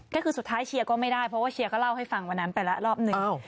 ก็คือสุดท้ายเชียร์ก็ไม่ได้เพราะว่าเชียร์ก็เล่าให้ฟังวันนั้นไปแล้วรอบหนึ่ง